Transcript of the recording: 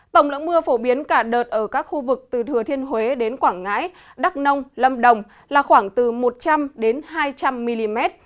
tổng lượng mưa phổ biến cả đợt ở các khu vực từ thừa thiên huế đến quảng ngãi đắk nông lâm đồng là khoảng từ một trăm linh hai trăm linh mm